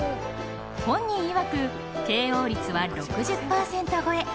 本人いわくＫＯ率は６０パーセント超え。